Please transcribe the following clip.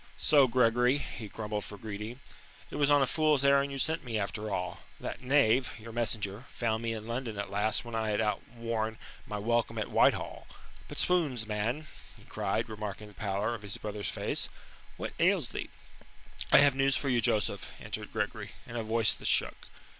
"So, Gregory," he grumbled for greeting, "it was on a fool's errand you sent me, after all. That knave, your messenger, found me in London at last when I had outworn my welcome at Whitehall. But, 'swounds, man," he cried, remarking the pallor, of his brother's face, "what ails thee?" "I have news for you, Joseph," answered Gregory, in a voice that shook.